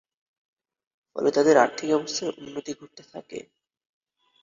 ফলে তাদের আর্থিক অবস্থার উন্নতি ঘটতে থাকে।